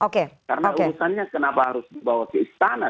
karena urusannya kenapa harus dibawa ke istana